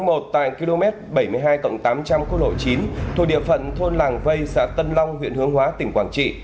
đội tài km bảy mươi hai cộng tám trăm linh khu lộ chín thuộc địa phận thôn làng vây xã tân long huyện hướng hóa tỉnh quảng trị